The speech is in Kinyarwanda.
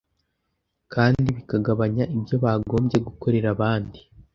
kandi bikagabanya ibyo bagombye gukorera abandi.